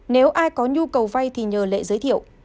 nếu ai có nhu cầu vay thì nhờ lệ giới thiệu